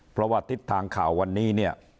เพราะว่าทิศทางข่าววันนี้เนี่ย